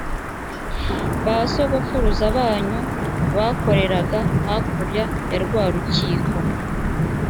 ba sogokuruza banyu bakoreraga hakurya ya rwa rukiko